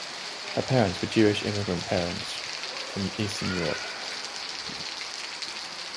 Her parents were Jewish immigrant parents from Eastern Europe.